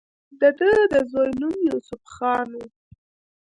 د دۀ د زوي نوم يوسف خان وۀ